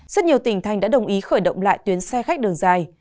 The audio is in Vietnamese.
rất nhiều tỉnh thành đã đồng ý khởi động lại tuyến xe khách đường dài